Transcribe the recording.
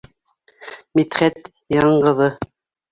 Мидхәт яңғыҙы.